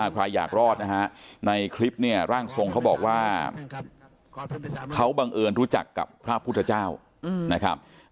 ใครอยากรอดนะฮะในคลิปเนี่ยร่างทรงเขาบอกว่าเขาบังเอิญรู้จักกับพระพุทธเจ้านะครับ